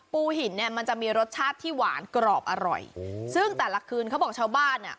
หินเนี่ยมันจะมีรสชาติที่หวานกรอบอร่อยซึ่งแต่ละคืนเขาบอกชาวบ้านอ่ะ